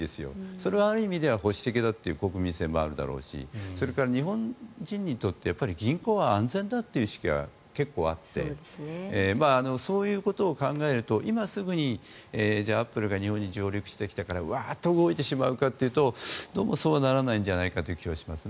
それは、ある意味では保守的だという国民性もあるだろうしそれから、日本人にとって銀行は安全だという意識が結構あってそういうことを考えると今すぐに、アップルが日本に上陸してきたからわーっと動いてしまうかというとどうもそうならないんじゃないかという気がします。